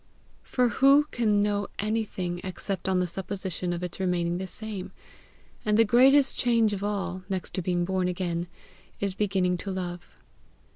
For who can know anything except on the supposition of its remaining the same? and the greatest change of all, next to being born again, is beginning to love.